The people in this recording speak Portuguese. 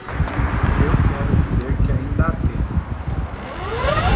Eu quero dizer que ainda há tempo.